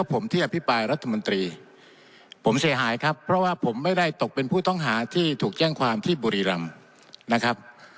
ผมเสียหายครับเพราะว่าผมไม่ได้ตกเป็นผู้ท้องหาที่ถูกแจ้งความที่บุรีรำ